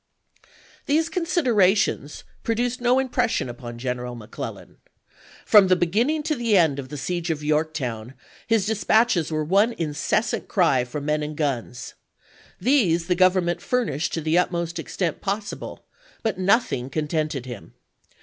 These considerations produced no impression upon General McClellan. From the beginning to 1862. the end of the siege of Yorktown, his dispatches were one incessant cry for men and guns. These the Government furnished to the utmost extent possible, but nothing contented him.